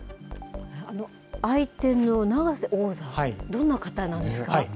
相手の永瀬王座、どんな方なんですか。